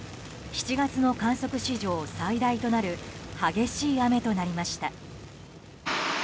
７月の観測史上最大となる激しい雨となりました。